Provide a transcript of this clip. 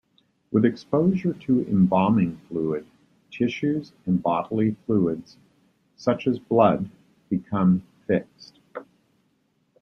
With exposure to embalming fluid, tissues and bodily fluids, such as blood, become fixed.